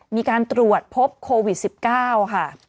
มีการตรวจพบโควิด๑๙ค่ะ